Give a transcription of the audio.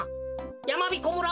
やまびこ村をす